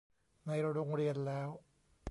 ในโรงเรียนแล้ว